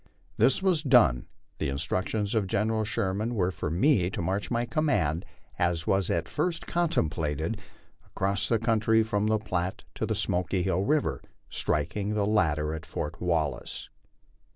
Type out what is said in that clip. This was done ; the instructions of General Sherman were for me to march my command, as was at first contemplated, across the country from the Platte to the Smoky Hill river, striking the latter at Fort Wallace.